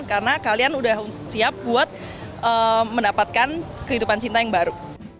karena kalian sudah siap buat mendapatkan kehidupan cinta yang baru